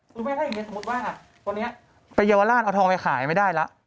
ถ้าเภสมุดว่าตัวนี้ไปเยาวราชเอาทองไปขายไม่ได้แล้ว